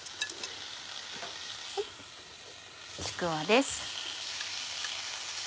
ちくわです。